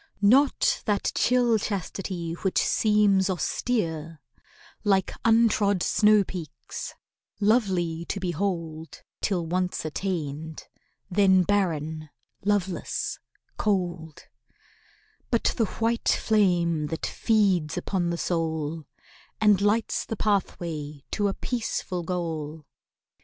Not that chill chastity which seems austere (Like untrod snow peaks, lovely to behold Till once attained—then barren, loveless, cold); But the white flame that feeds upon the soul And lights the pathway to a peaceful goal.